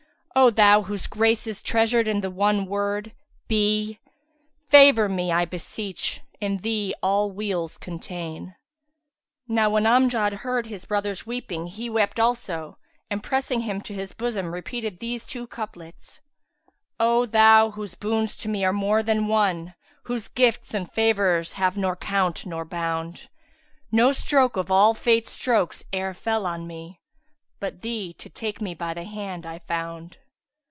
O Thou whose grace is treasured in the one word, Be![FN#365] * Favour me, I beseech, in Thee all weals contain." Now when Amjad heard his brother's weeping he wept also and pressing him to his bosom repeated these two couplets, "O Thou whose boons to me are more than one! * Whose gifts and favours have nor count nor bound! No stroke of all Fate's strokes e'er fell on me, * But Thee to take me by the hand I found."